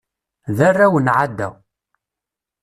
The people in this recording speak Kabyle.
D arraw n Ɛada.